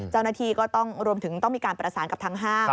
เจ้าหน้าที่ก็ต้องรวมถึงต้องมีการประสานกับทางห้าง